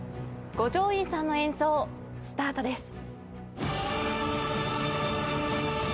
五条院さんの演奏スタートです。